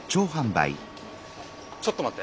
ちょっと待って！